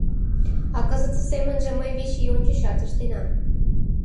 — А кызытсе семынже мый вич ий ончычат ыштенам.